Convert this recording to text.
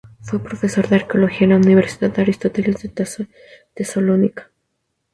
Fue profesor de arqueología en la Universidad Aristóteles de Tesalónica.